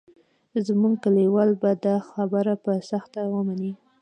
زموږ کلیوال به دا خبره په سخته ومني.